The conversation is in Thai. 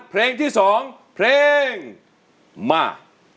เพลงที่๒เพลงมา